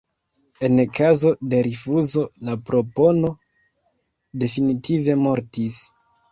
En kazo de rifuzo, la propono definitive mortis.